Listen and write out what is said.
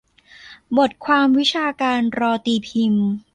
บทความวิชาการรอตีพิมพ์